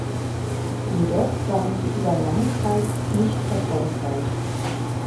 Jedoch waren sie über lange Zeit nicht erfolgreich.